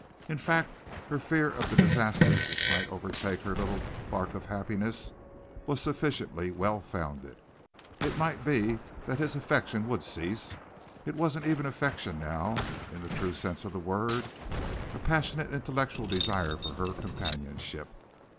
In fact, her fear of the disaster which might overtake her little bark of happiness was sufficiently well founded. It might be that his affection would cease it wasn't even affection now in the true sense of the word, a passionate intellectual desire for her companionship.